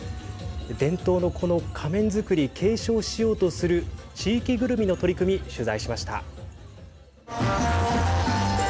伝統のこの仮面作り継承しようとする地域ぐるみの取り組み取材しました。